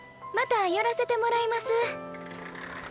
また寄らせてもらいます。